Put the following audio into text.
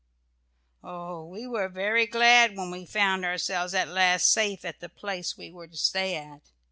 Oh, we were very glad when we found ourselves at last safe at the place we were to stay at!